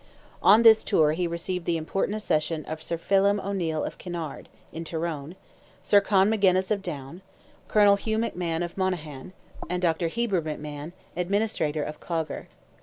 On this tour he received the important accession of Sir Phelim O'Neil of Kinnaird, in Tyrone, Sir Con Magennis of Down, Colonel Hugh McMahon of Monaghan, and Dr. Heber McMahon, Administrator of Clogher.